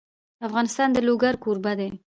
افغانستان د لوگر کوربه دی.